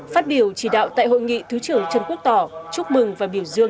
phát biểu chỉ đạo tại hội nghị thứ trưởng trần quốc tỏ chúc mừng và biểu dương